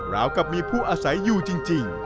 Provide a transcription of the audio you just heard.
ราวกับมีผู้อาศัยอยู่จริง